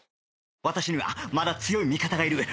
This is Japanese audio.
私にはまだ強い味方がいる